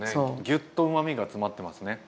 ギュッとうまみが詰まってますね。